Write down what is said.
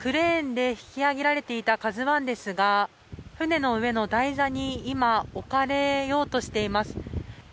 クレーンで引き揚げられていた「ＫＡＺＵ１」ですが船の上の台座に今、置かれようとしています。